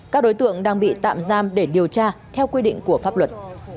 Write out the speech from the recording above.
các đối tượng đang bị tạm giam để điều tra theo quy định của pháp luật